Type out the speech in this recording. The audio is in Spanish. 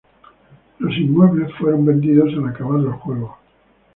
Los inmuebles fueron vendidos al acabar los juegos.